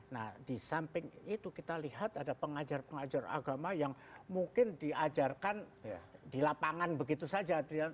nah di samping itu kita lihat ada pengajar pengajar agama yang mungkin diajarkan di lapangan begitu saja